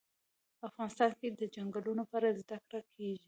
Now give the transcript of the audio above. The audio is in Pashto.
افغانستان کې د چنګلونه په اړه زده کړه کېږي.